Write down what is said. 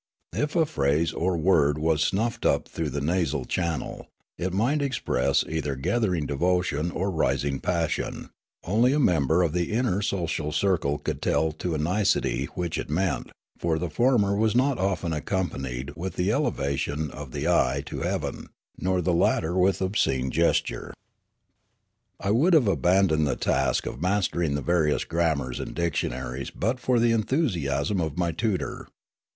If a phrase or word was snuffled up through the nasal channel, it might express either gathering devotion or rising passion ; only a member of the inner social circle could, tell to a nicety which it meant, for the former was not often accompanied with the elevation of the eye to heaven, nor the latter with obscene gesture. 28 Riallaro I would have abandoned the task of mastering the various grammars and dictionaries but for the enthus iasm of my tutor.